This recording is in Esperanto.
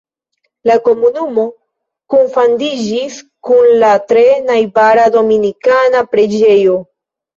La komunumo kunfandiĝis kun la tre najbara Dominikana preĝejo.